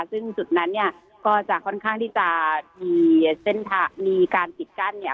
ซึ่งจุดนั้นเนี่ยก็จะค่อนข้างที่จะมีเส้นทางมีการปิดกั้นเนี่ย